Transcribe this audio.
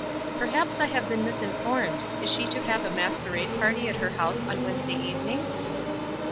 "Perhaps I have been misinformed. Is she to have a masquerade party at her house on Wednesday evening?"